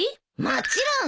もちろん。